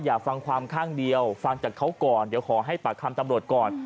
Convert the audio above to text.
อยากฟังความข้างเดียวฟังจากเขาก่อนเดี๋ยวขอให้ปากคำตำรวจก่อน